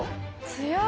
強い！